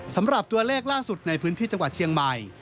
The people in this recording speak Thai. สำหรับตัวเลขล่าสุดในพื้นที่จังหวัดเชียงใหม่